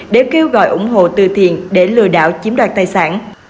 để kêu gọi ủng hộ từ thiện để lừa đảo chiếm đoạt tài sản